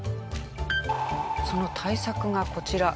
その対策がこちら。